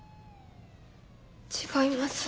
違います。